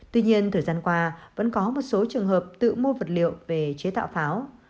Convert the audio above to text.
tuy nhiên thời gian qua vẫn có một số trường hợp tự mua vật liệu về chế tạo pháo